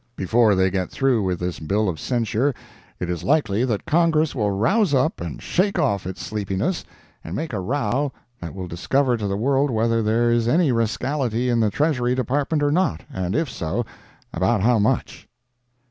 Before they get through with this bill of censure it is likely that Congress will rouse up and shake off its sleepiness and make a row that will discover to the world whether there is any rascality in the Treasury Department or not, and if so, about how much.